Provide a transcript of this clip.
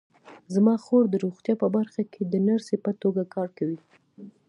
زما خور د روغتیا په برخه کې د نرسۍ په توګه کار کوي